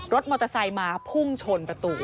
รถมอเตอร์ไซค์มาพุ่งชนประตู